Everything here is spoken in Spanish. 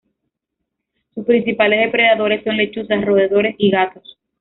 Sus principales depredadores son lechuzas, roedores y gatos.